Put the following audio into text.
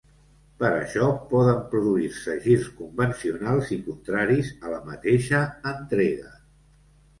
Per això, poden produir-se girs convencionals i contraris a la mateixa entrega.